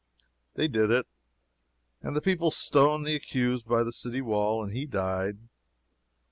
They did it, and the people stoned the accused by the city wall, and he died.